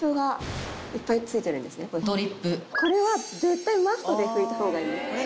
これは絶対マストで拭いた方がいいです。